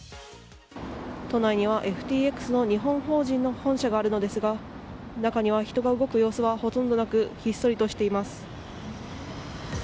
都内にはＦＴＸの日本法人の本社があるのですが中には人が動く様子はほとんどなくひっそりとしています。